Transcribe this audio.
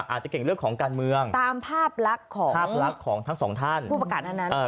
อาจจะเก่งเรื่องของการเมืองตามภาพลักษณ์ของภาพลักษณ์ของทั้งสองท่านผู้ประกาศนั้น